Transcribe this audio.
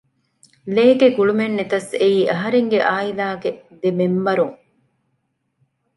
ލޭގެ ގުޅުމެއްނެތަސް އެއީ އަހަރެންގެ ޢާއިލާގެ ދެ މެމްބަރުން